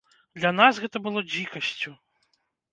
Для нас гэта было дзікасцю.